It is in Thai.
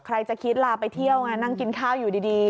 ใครจะคิดลาไปเที่ยวไงนั่งกินข้าวอยู่ดี